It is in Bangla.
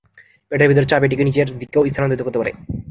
পেটের ভিতরের চাপ এটিকে নিচের দিকেও স্থানান্তরিত করতে পারে।